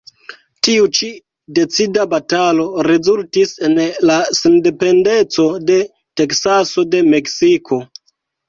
Tiu ĉi decida batalo rezultis en la sendependeco de Teksaso de Meksiko.